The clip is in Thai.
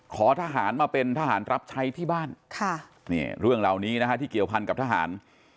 ขอทหารมาเป็นทหารรับใช้ที่บ้านเรื่องเหล่านี้นะฮะที่เกี่ยวพันกับทหาร